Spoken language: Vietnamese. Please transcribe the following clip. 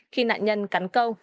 khi nạn nhân cắn câu